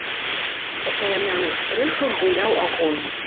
Па саламяных стрэхах гуляў агонь.